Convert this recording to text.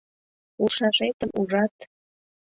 Ужшашетым ужат!